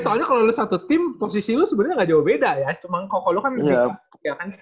soalnya kalau lu satu tim posisi lu sebenarnya gak jauh beda ya cuman koko lu kan lebih kaya kan